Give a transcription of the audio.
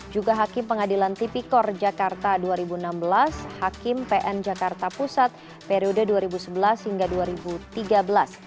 juga hakim pengadilan tipikor jakarta dua ribu enam belas hakim pn jakarta pusat periode dua ribu sebelas hingga dua ribu tiga belas